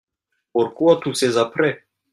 Pourquoi tous ces apprêts ?